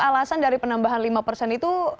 alasan dari penambahan lima persen itu